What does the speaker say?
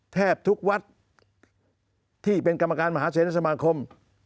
แทบทุกวัดที่เป็นกรรมการมหาเสนสมาคม